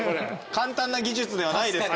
簡単な技術ではないですから。